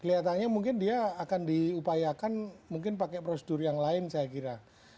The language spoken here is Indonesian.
kelihatannya mungkin dia akan diupayakan mungkin pakai prosedur yang lain saya kira